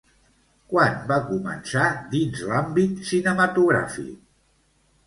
Quan va començar dins l'àmbit cinematogràfic?